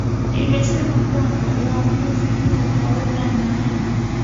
imesema kwamba uamuzi huo hauna maana